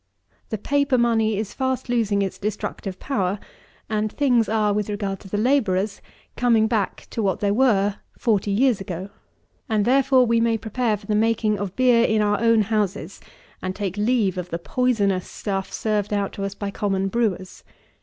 The paper money is fast losing its destructive power; and things are, with regard to the labourers, coming back to what they were forty years ago, and therefore we may prepare for the making of beer in our own houses, and take leave of the poisonous stuff served out to us by common brewers.